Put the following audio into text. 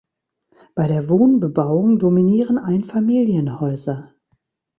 Bei der Wohnbebauung dominieren Einfamilienhäuser.